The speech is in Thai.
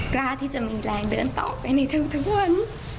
กล้าที่จะมีแรงเดินต่อไปในทุกวัน